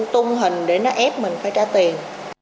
tung hình để nó ép mình phải trả tiền